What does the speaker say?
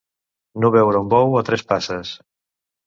No veure un bou a tres passes.